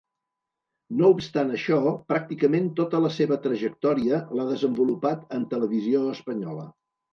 No obstant això, pràcticament tota la seva trajectòria l'ha desenvolupat en Televisió Espanyola.